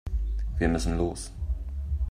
Wir müssen los.